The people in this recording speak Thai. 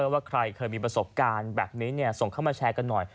ว่าใครเคยมีประสบการณ์แบบนี้ส่งเข้ามาแชร์กันหน่อย